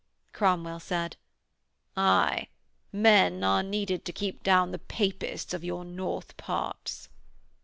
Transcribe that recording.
Cromwell said: 'Aye, men are needed to keep down the Papists of your North parts.'